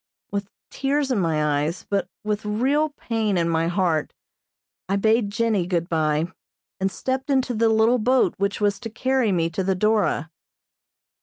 With tears in my eyes, but with real pain in my heart I bade Jennie good bye, and stepped into the little boat which was to carry me to the "Dora."